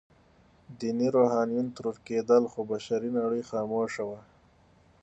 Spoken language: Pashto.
ديني روحانيون ترور کېدل، خو بشري نړۍ خاموشه وه.